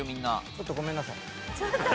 ちょっとごめんなさい。